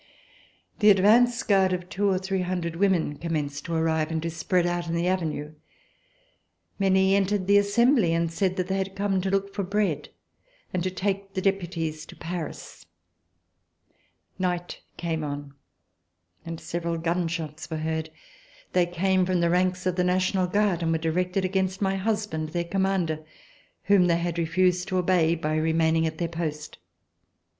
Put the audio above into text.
The advance guard of two or three hundred women commenced to arrive and to spread out in the Avenue. Many entered the Assembly and said that they had come to look for bread and to take the Deputies to Paris. Night came on, and several gun shots were heard. They came from the ranks of the National Guard and were directed against my husband, their commander, whom they had refused to obey, by re maining at their post.